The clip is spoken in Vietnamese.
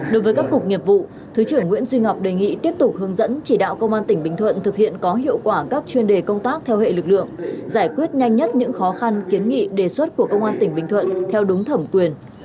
đối với các cục nghiệp vụ thứ trưởng nguyễn duy ngọc đề nghị tiếp tục hướng dẫn chỉ đạo công an tỉnh bình thuận thực hiện có hiệu quả các chuyên đề công tác theo hệ lực lượng giải quyết nhanh nhất những khó khăn kiến nghị đề xuất của công an tỉnh bình thuận theo đúng thẩm quyền